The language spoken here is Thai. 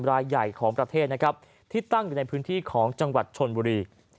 รายใหญ่ของประเทศนะครับที่ตั้งอยู่ในพื้นที่ของจังหวัดชนบุรี